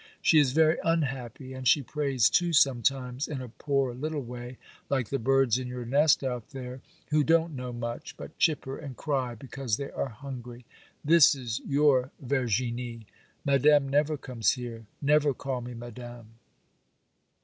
She is very unhappy, and she prays too, sometimes, in a poor little way, like the birds in your nest out there, who don't know much, but chipper and cry because they are hungry—this is your Verginie—Madame never comes here; never call me Madame.